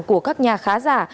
của các nhà khá già